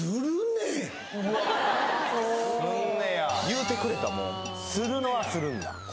言うてくれたもうするのはするんだ